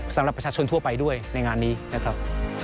สำหรับประชาชนทั่วไปด้วยในงานนี้นะครับ